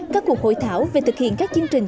các cuộc hội thảo về thực hiện các chương trình